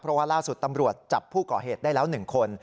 เพราะว่าล่าสุดตำรวจจับผู้ก่อเหตุได้แล้ว๑คน